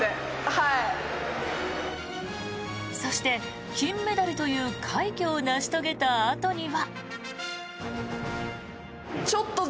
そして、金メダルという快挙を成し遂げたあとには。